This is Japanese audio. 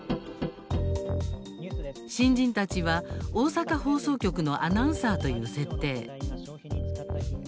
新人たちは、大阪放送局のアナウンサーという設定。